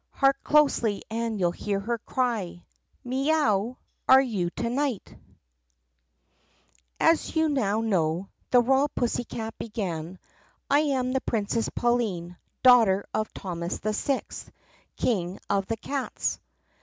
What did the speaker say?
Hark closely and you 'll hear her cry , "Mee — 'ow are you tonight A S you now know," the royal pussycat began, "I am the Princess Pauline, daughter of Thomas VI, King of the Cats.